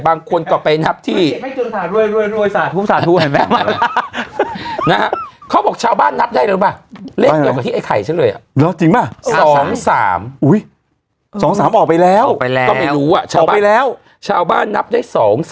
บางคนก็ไปนับที่